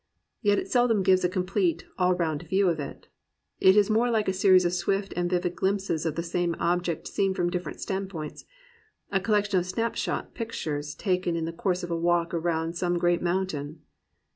Yet it seldom gives a complete, all round view of it. It is more Hke a series of swift and vivid glimpses of the same object seen from different stand points, a collection of snap shot pictures taken in the course of a walk around some great mountain.